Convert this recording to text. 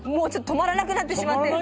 止まらなくなってしまって。